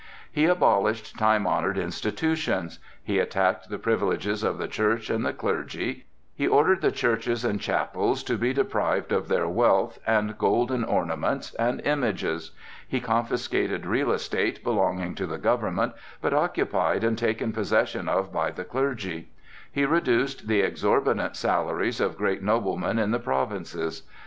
He abolished time honored institutions; he attacked the privileges of the Church and the clergy; he ordered the churches and chapels to be deprived of their wealth and golden ornaments and images; he confiscated real estate belonging to the government, but occupied and taken possession of by the clergy; he reduced the exorbitant salaries of great noblemen in the provinces.